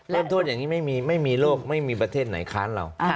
โทษอย่างนี้ไม่มีโรคไม่มีประเทศไหนค้านเรา